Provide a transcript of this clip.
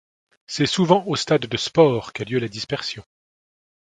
C'est souvent au stade de spore qu’a lieu la dispersion.